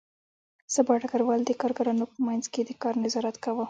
سبا ډګروال د کارګرانو په منځ کې د کار نظارت کاوه